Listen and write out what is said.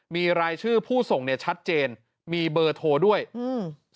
มีรายชื่อผู้ส่งเนี่ยชัดเจนมีเบอร์โทรด้วยอืม